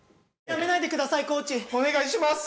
お願いします。